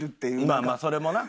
まあまあそれもな。